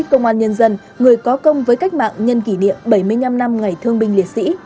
công an nhân dân người có công với cách mạng nhân kỷ niệm bảy mươi năm năm ngày thương binh liệt sĩ